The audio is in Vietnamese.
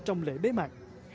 trong lễ bế mạc